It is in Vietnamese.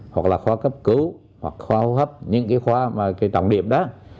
hoặc là khoa cấp cứu hoặc khoa hô hấp những cái khoa mà cái trọng điểm đó